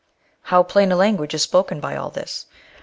How plain a language is spoken by all this.